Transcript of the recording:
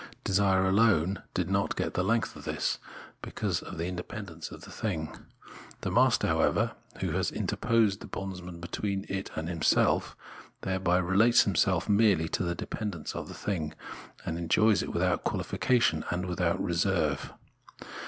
Desire alone did not get the length of this, because of the independence of the thing. The master, however, who has interposed the bondsman between it and himself, thereby relates himself merely to the dependence of the thing, and enjoys it without quahfication and without reserve.